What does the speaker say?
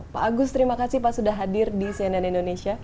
pak agus terima kasih pak sudah hadir di cnn indonesia